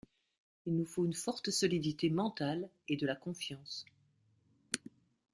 Il nous faut une forte solidité mentale, et de la confiance.